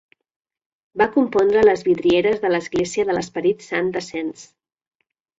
Va compondre les vidrieres de l'església de l'Esperit Sant de Cents.